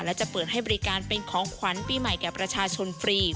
และจะเปิดให้บริการเป็นของขวัญปีใหม่แก่ประชาชนฟรี